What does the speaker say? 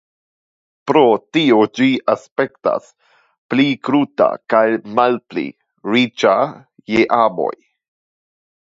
Pro tio ĝi aspektas pli kruta kaj malpli riĉa je arboj.